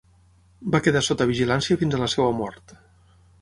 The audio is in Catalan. Va quedar sota vigilància fins a la seva mort.